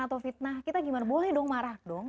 atau fitnah kita gimana boleh dong marah dong